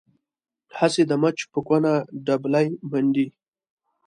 هسې د مچ په کونه ډبلی منډي.